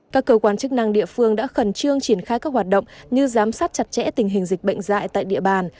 các cơ quan chức năng địa phương đã khẩn trương triển khai các hoạt động như giám sát chặt chẽ tình hình dịch bệnh dạy tại địa bàn